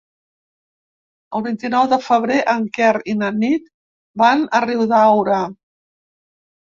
El vint-i-nou de febrer en Quer i na Nit van a Riudaura.